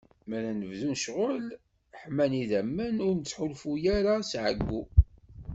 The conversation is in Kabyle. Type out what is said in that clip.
Mi ara nebdu ccɣel, ḥman idammen, ur nettḥulfu ara s ɛeggu.